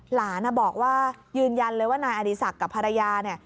หลานบอกว่ายืนยันเลยว่านายอดีศักดิ์กับภรรยาเนี่ย